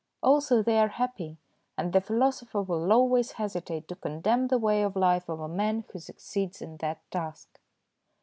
Also they are happy, and the philosopher will always hesitate to condemn the way of life of a man who succeeds in that task.